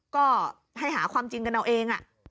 ก็ให้หาความจริงกันเอาเอง